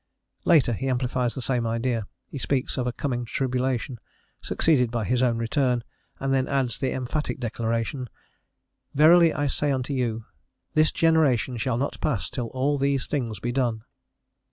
Later, he amplifies the same idea: he speaks of a coming tribulation, succeeded by his own return, and then adds the emphatic declaration: "Verily I say unto you, This generation shall not pass till all these things be done."